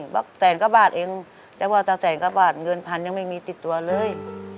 บอกแสนก็บาทเองแต่ว่าแต่แสนก็บาทเงินพันธุ์ยังไม่มีติดตัวเลย